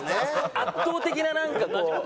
圧倒的ななんかこう。